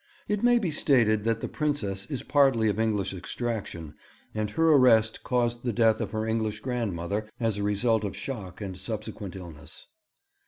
It may be stated that the Princess is partly of English extraction, and her arrest caused the death of her English grandmother as a result of shock and subsequent illness.